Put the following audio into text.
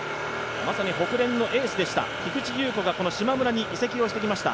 まさにホクレンのエースでした菊地優子がしまむらに移籍をしてきました。